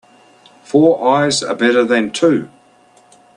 Four eyes are better than two.